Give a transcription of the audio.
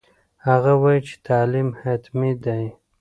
هغه وایي چې تعلیم حتمي دی.